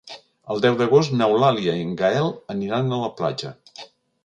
El deu d'agost n'Eulàlia i en Gaël aniran a la platja.